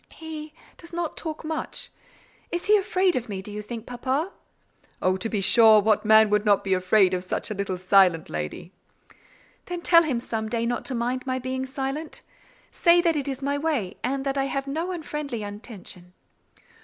"He does not talk much. Is he afraid of me, do you think, papa?" "Oh, to be sure, what man would not be afraid of such a little silent lady?" "Then tell him some day not to mind my being silent. Say that it is my way, and that I have no unfriendly intention."